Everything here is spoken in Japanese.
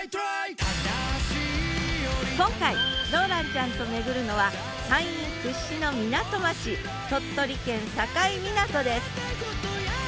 今回ローランちゃんと巡るのは山陰屈指の港町鳥取県境港です。